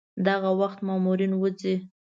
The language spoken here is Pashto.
دغه وخت مامورین وځي.